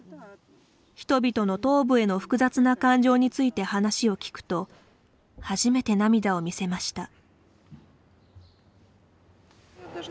人々の東部への複雑な感情について話を聞くと初めて涙を見せました。